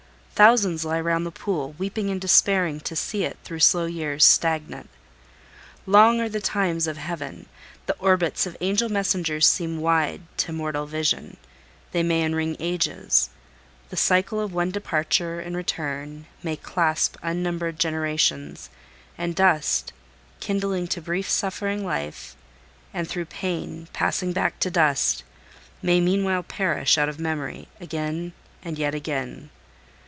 Thousands lie round the pool, weeping and despairing, to see it, through slow years, stagnant. Long are the "times" of Heaven: the orbits of angel messengers seem wide to mortal vision; they may enring ages: the cycle of one departure and return may clasp unnumbered generations; and dust, kindling to brief suffering life, and through pain, passing back to dust, may meanwhile perish out of memory again, and yet again.